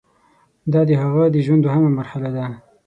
دا د هغه د ژوند دوهمه مرحله ده.